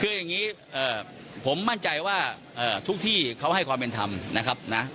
คืออย่างนี้ผมมั่นใจว่าทุกที่เขาให้ความเป็นธรรมนะครับนะ